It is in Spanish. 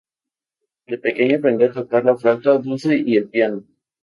De pequeño aprendió a tocar la flauta dulce y el piano.